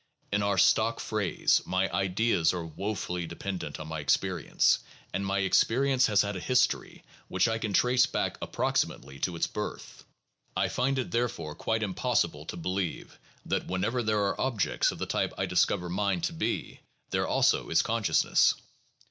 In our stock phrase, my ideas are wofully dependent on my experience, and my experience has had a history which I can trace back approximately to its birth . I find it, therefore, quite impossible to believe that whenever there are objects of the type I discover mine to be, there also is consciousness.